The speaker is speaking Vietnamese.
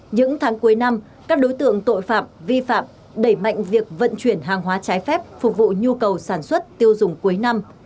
những tháng cuối năm các đối tượng tội phạm vi phạm đẩy mạnh việc vận chuyển hàng hóa trái phép phục vụ nhu cầu sản xuất tiêu dùng cuối năm